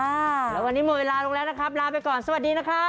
แล้ววันนี้หมดเวลาลงแล้วนะครับลาไปก่อนสวัสดีนะครับ